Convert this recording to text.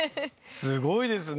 すごいですね！